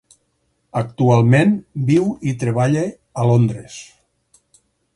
Actualment viu i treballa a Londres.